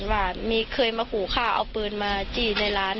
เพราะไม่เคยถามลูกสาวนะว่าไปทำธุรกิจแบบไหนอะไรยังไง